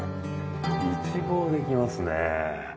一望できますね。